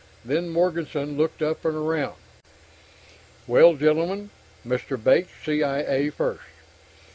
Then Morganson looked up and around. "Well gentlemen? Mr. Bates, C.I.A. first."